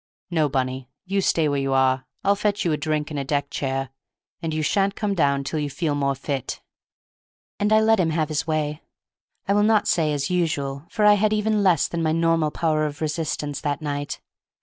No, Bunny, you stay where you are! I'll fetch you a drink and a deck chair, and you shan't come down till you feel more fit." And I let him have his way, I will not say as usual, for I had even less than my normal power of resistance that night.